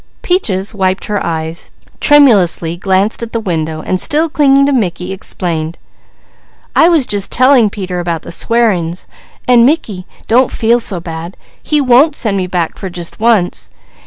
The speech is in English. Peaches wiped her eyes, tremulously glanced at the window, and still clinging to Mickey explained: "I was just telling Peter about the swearin's, an' Mickey, don't feel so bad. He won't send me back for just once.